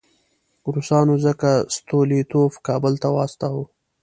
روسانو ځکه ستولیتوف کابل ته واستاوه.